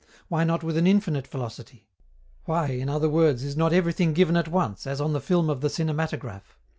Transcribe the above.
Why not with an infinite velocity? Why, in other words, is not everything given at once, as on the film of the cinematograph?